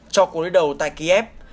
cho cuối đầu tại kiev